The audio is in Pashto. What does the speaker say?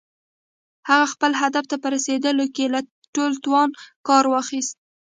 هغه خپل هدف ته په رسېدلو کې له ټول توان څخه کار واخيست.